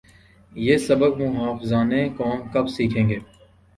یہ سبق محافظان قوم کب سیکھیں گے؟